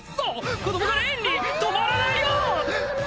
子供がレーンに⁉止まらないよ！